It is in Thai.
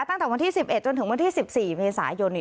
ตั้งแต่วันที่๑๑จนถึงวันที่๑๔เมษายน